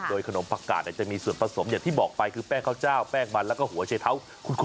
โดยขนมผักกาดจะมีส่วนผสมอย่างที่บอกไปคือแป้งข้าวเจ้าแป้งมันแล้วก็หัวชัยเท้า